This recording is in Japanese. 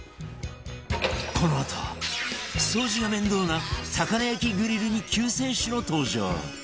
このあと掃除が面倒な魚焼きグリルに救世主の登場